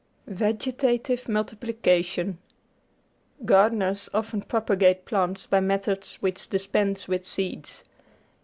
Vegetative Multiplication Gardeners often propagate plants by methods which dis pense with seeds.